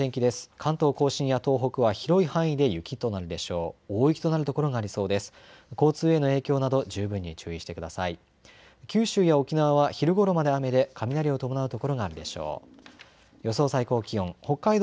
関東甲信や東北は広い範囲で雪となるでしょう。